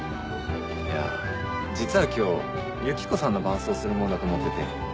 いや実は今日ユキコさんの伴走するもんだと思ってて。